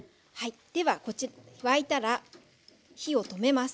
では沸いたら火を止めます。